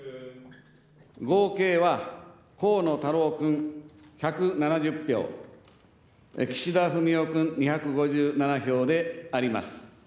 合計は河野太郎君１７０票、岸田文雄君２５７票であります。